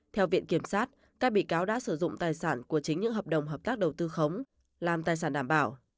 theo viện kiểm sát các bị cáo đã sử dụng tài sản của chính những hợp đồng hợp tác đầu tư khống làm tài sản đảm bảo